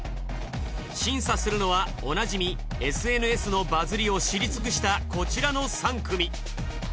審査するのはおなじみＳＮＳのバズりを知り尽くしたこちらの３組。